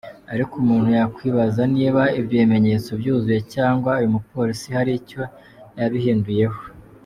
Ariko umuntu yakwibaza niba ibyo bimenyetso byuzuye cyangwa uyu mupolisi hari icyo yabihinduyeho.